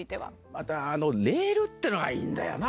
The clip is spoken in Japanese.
またあのレールってのがいいんだよな。